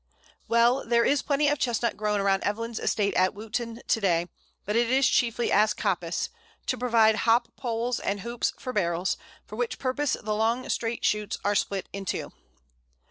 Well, there is plenty of Chestnut grown around Evelyn's estate at Wootton to day, but it is chiefly as coppice, to provide hop poles, and hoops for barrels, for which purpose the long straight shoots are split in two.